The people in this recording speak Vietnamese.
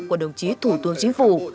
của đồng chí thủ tướng chính phủ